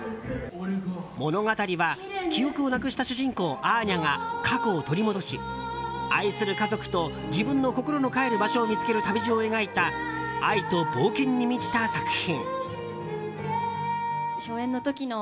物語は記憶をなくした主人公アーニャが過去を取り戻し愛する家族と自分の心の帰る場所を見つける旅路を描いた愛と冒険に満ちた作品。